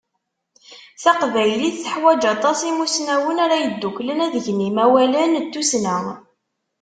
Taqbaylit teḥwaǧ aṭas imusnawen ara yedduklen ad gen imawalen n tussna.